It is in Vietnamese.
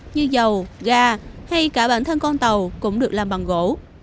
như dầu ga hay cả bản thân con tàu cũng được làm bằng gỗ